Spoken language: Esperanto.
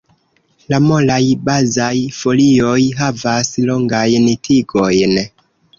La molaj bazaj folioj havas longajn tigojn.